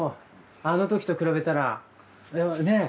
あの時と比べたらねえ。